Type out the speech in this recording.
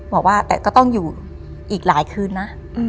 บอกว่าแต่ก็ต้องอยู่อีกหลายคืนนะ